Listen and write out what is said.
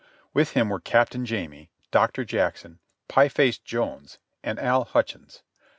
With him were Captain Jamie, Doctor Jackson, Pie Face Jones, and Al Hutchins.